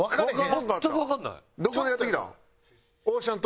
どこでやってきたん？